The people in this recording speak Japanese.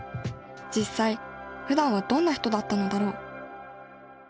実際ふだんはどんな人だったのだろう。